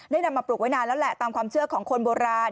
นำมาปลูกไว้นานแล้วแหละตามความเชื่อของคนโบราณ